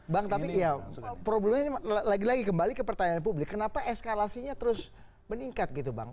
bang tapi ya problemnya lagi lagi kembali ke pertanyaan publik kenapa eskalasinya terus meningkat gitu bang